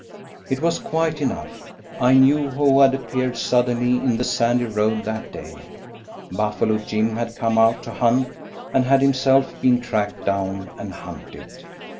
It was quite enough I knew who had appeared suddenly in the sandy road that day. Buffalo Jim had come out to hunt, and had himself been tracked down and hunted.